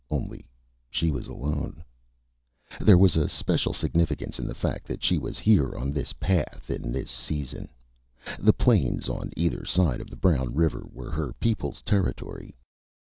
Only she was alone. There was a special significance in the fact that she was here on this path in this season. The plains on either side of the brown river were her people's territory.